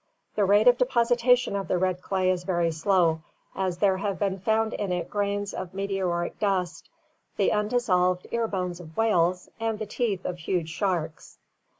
The rate of deposition of the red clay is very slow, as there have been found in it grains of meteoric dust, the undissolved ear bones of whales, and the teeth of huge sharks {Car char odon megalodon).